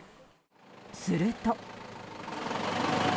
すると。